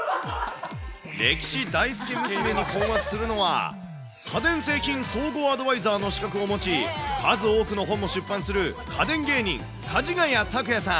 歴史大好き娘に困惑するのは、家電製品総合アドバイザーの資格を持ち、数多くの本も出版する、家電芸人、かじがや卓哉さん。